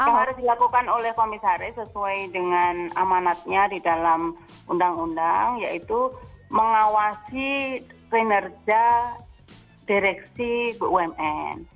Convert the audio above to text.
yang harus dilakukan oleh komisaris sesuai dengan amanatnya di dalam undang undang yaitu mengawasi kinerja direksi bumn